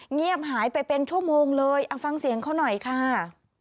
เงียบหายไปเป็นชั่วโมงเลยเอาฟังเสียงเขาหน่อยค่ะ